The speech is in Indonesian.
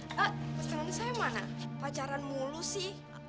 eh pas tengah tengah saya mana pacaran mulu sih